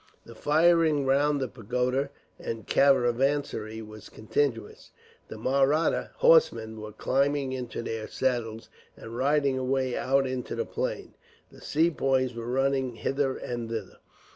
The firing round the pagoda and caravansary were continuous. The Mahratta horsemen were climbing into their saddles, and riding away out into the plain; the Sepoys were running hither and thither.